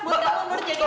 buat kamu menjadi